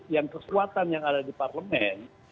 yang kekuatan yang ada di parlemen